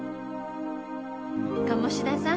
鴨志田さん